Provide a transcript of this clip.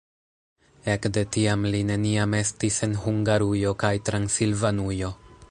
Ekde tiam li neniam estis en Hungarujo kaj Transilvanujo.